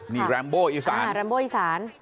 มีแรมโบ้อีสาน